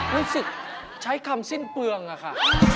รู้สึกใช้คำสิ้นเปลืองอะค่ะ